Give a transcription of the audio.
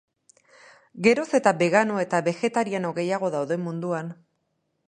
Geroz eta begano eta begetariano gehiago daude munduan.